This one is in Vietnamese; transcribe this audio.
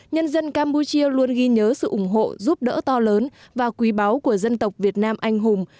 nhân dân campuchia luôn ghi nhớ sự ủng hộ giúp đỡ to lớn và quý báu của dân tộc việt nam anh hùng